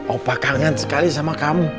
opa kangen sekali sama kamu